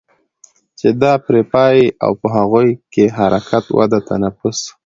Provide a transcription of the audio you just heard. چې دا پرې پايي او په هغو کې حرکت، وده، تنفس